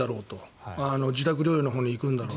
自宅療養のほうに行くんだろうと。